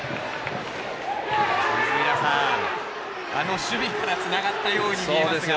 泉田さん、あの守備からつながったように見えますね。